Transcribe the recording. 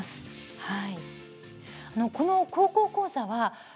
はい。